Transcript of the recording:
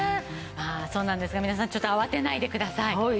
まあそうなんですが皆さんちょっと慌てないでください。